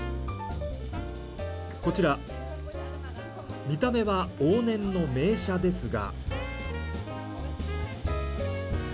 こちら、見た目は往年の名車ですが。